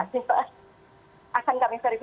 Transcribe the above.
akan kami verifikasi dan kami jadikan masukan pak buat polisi